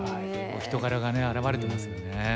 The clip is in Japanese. お人柄がね表れてますよね。